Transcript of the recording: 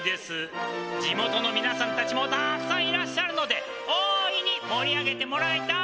地元のみなさんたちもたっくさんいらっしゃるので大いに盛り上げてもらいたい。